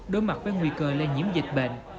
đối mặt với nguy cơ lây nhiễm dịch bệnh